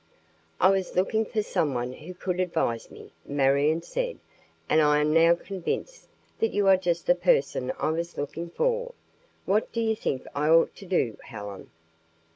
"I was looking for someone who could advise me," Marion said; "and I am now convinced that you are just the person I was looking for. What do you think I ought to do, Helen?"